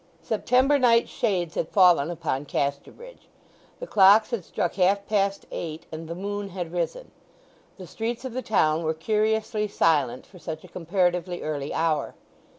September night shades had fallen upon Casterbridge; the clocks had struck half past eight, and the moon had risen. The streets of the town were curiously silent for such a comparatively early hour.